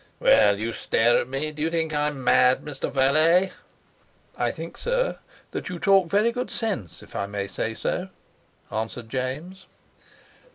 Well, you stare at me. Do you think I'm mad, Mr. Valet?" "I think, sir, that you talk very good sense, if I may say so," answered James.